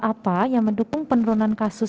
apa yang mendukung penurunan kasus